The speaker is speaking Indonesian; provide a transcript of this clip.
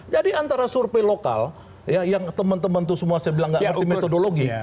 jadi antara survei lokal ya yang temen temen tuh semua saya bilang gak ngerti metodologi